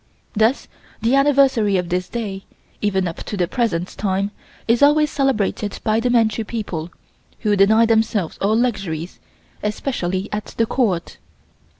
Thus the anniversary of this day, even up to the present time, is always celebrated by the Manchu people, who deny themselves all luxuries, especially at the Court.